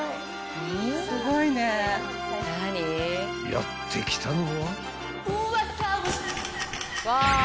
［やって来たのは］